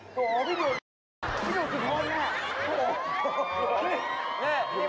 โอ้โฮเดี๋ยวปั๊ด